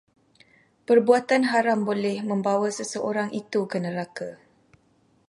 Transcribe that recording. Perbuatan haram boleh membawa seseorang itu ke neraka